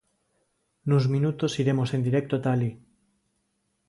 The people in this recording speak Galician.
Nuns minutos iremos en directo ata alí.